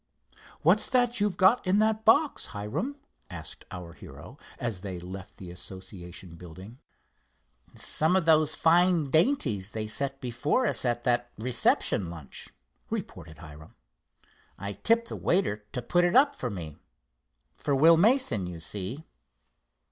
"What's that you've got in that box, Hiram?" asked our hero, as they left the association building. "Some of those fine dainties they set before us at that reception lunch," reported Hiram. "I tipped the waiter to put it up for me. For Will Mason, you see."